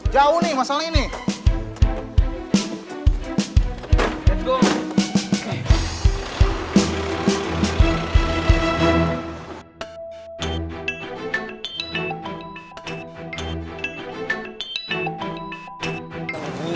jauh nih masalahnya ini